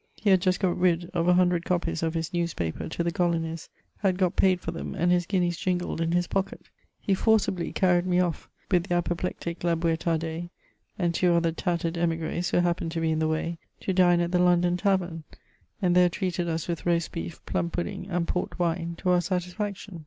He had just got rid of 100 copies of his newspaper to the colonies, had got paid for them, and his guineas jingled in his pocket. He forcibly carried me off, with the apoplectic La Bouetardais, and two other tattered emigres who happened to be in the way, to dine at the London Tavern ; and there treated us with roast beef, plum pudding, and Port wine, to our^satisfaction.